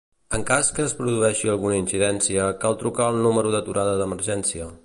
En cas que es produeixi alguna incidència, cal trucar el número d'aturada d'emergència.